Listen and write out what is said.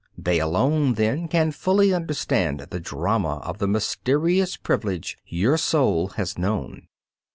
They alone, then, can fully understand the drama of the mysterious privilege your soul has known.